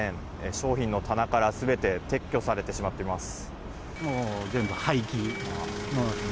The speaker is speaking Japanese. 商品の棚から全て撤去されてしまっています。